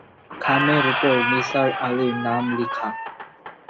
খামের ওপর নিসার আলির নাম লেখা।